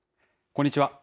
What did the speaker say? こんにちは。